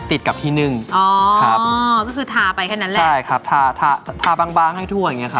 ติดกับที่นึ่งอ๋อครับอ๋อก็คือทาไปแค่นั้นแหละใช่ครับทาทาบางบางให้ทั่วอย่างเงี้ค่ะ